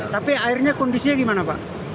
tapi akhirnya kondisinya gimana pak